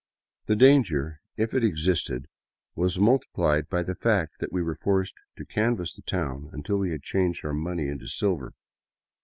99 VAGABONDING DOWN THE ANDES The danger, if it existed, was multiplied by the fact that we were forced to canvass the town until we had changed our money into silver.